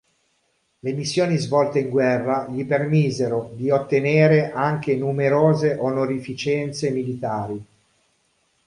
Le missioni svolte in guerra gli permisero di ottenere anche numerose onorificenze militari.